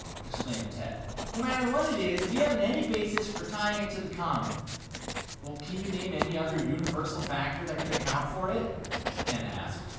exclaimed Ted. "No matter what it is, we haven't any basis for tying it to the comet." "Can you name any other universal factor that could account for it?" Ken asked.